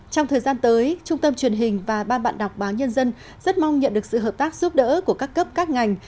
trong thời gian tới trung tâm truyền hình và ban bạn đọc báo nhân dân rất mong nhận được sự hợp tác giúp đỡ của các cấp các ngành